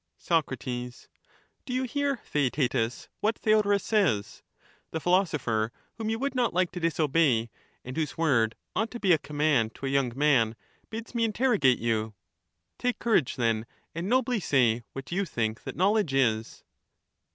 Soc, Do you hear, Theaetetus, what Theodorus says ? The philosopher, whom you would not like to disobey, and whose word ought to be a command to a young man, bids me inter rogate you. Take courage, then, and nobly say what you think that knowledge is.